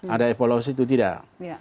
ada evolusi itu tidak